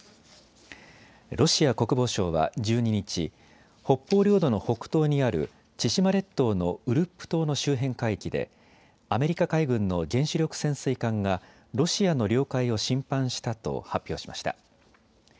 ロシア国防省は１２日、北方領土の北東にある千島列島のウルップ島の周辺海域でアメリカ海軍の原子力潜水艦がロシアの領海を侵犯したと発表しました。